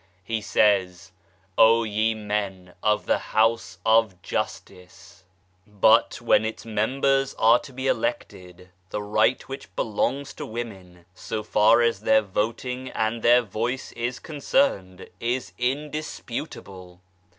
He says :" O ye men of the House of Justice !" But when its members are to be elected the right which belongs to women, so far as their voting and their voice is concerned, is indisputable.